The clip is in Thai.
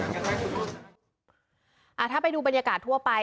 ถ้าไปดูบรรยากาศทั่วไป